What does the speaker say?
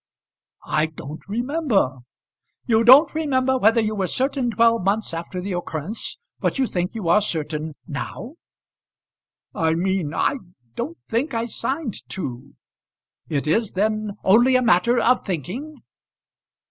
"I don't remember." "You don't remember whether you were certain twelve months after the occurrence, but you think you are certain now." "I mean, I don't think I signed two." "It is, then, only a matter of thinking?"